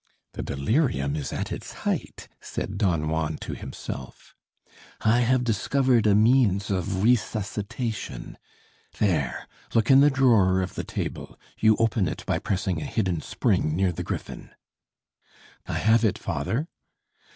"The delirium is at its height," said Don Juan to himself. "I have discovered a means of resuscitation. There, look in the drawer of the table you open it by pressing a hidden spring near the griffin." "I have it, father."